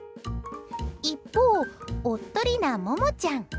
一方、おっとりなももちゃん。